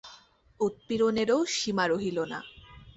উৎপীড়নেরও সীমা রহিল না।